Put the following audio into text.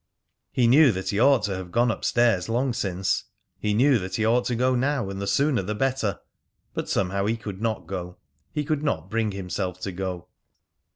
He knew that he ought to have gone up stairs long since. He knew he ought now to go, and the sooner the better. But somehow he could not go; he could not bring himself to go.